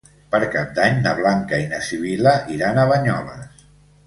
Per Cap d'Any na Blanca i na Sibil·la iran a Banyoles.